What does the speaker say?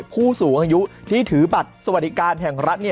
ผู้สูงอายุที่ถือบัตรสวัสดิการแห่งรัฐ